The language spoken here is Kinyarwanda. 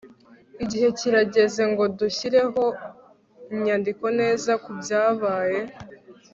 igihe kirageze ngo dushyireho inyandiko neza kubyabaye